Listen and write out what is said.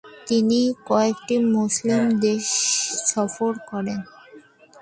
তিনি কয়েকটি মুসলিম দেশ সফর করেন।